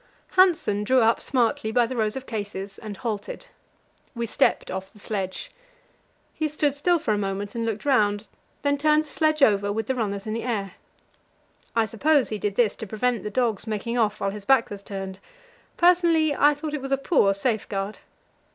Hanssen drew up smartly by the rows of cases and halted. We stepped off the sledge. He stood still for a moment and looked round, then turned the sledge over, with the runners in the air. I supposed he did this to prevent the dogs making off when his back was turned; personally, I thought it was a poor safeguard.